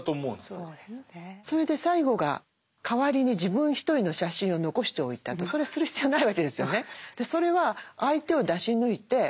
それで最後が代わりに自分一人の写真を残しておいたとそれする必要ないわけですよね。